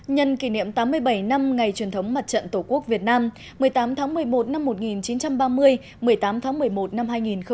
nhân kỷ niệm tám mươi bảy năm ngày truyền thống mặt trận tổ quốc việt nam một mươi tám tháng một mươi một năm một nghìn chín trăm ba mươi một mươi tám tháng một mươi một năm hai nghìn hai mươi